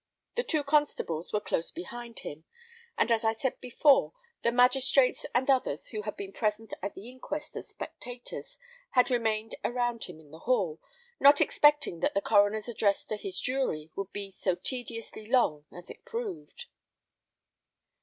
The two constables were close behind him; and as I said before, the magistrates and others who had been present at the inquest as spectators, had remained around him in the hall, not expecting that the coroner's address to his jury would be so tediously long as it proved.